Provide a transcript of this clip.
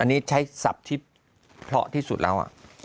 อันนี้ใช้ศัพท์ที่เพราะที่สุดแล้ว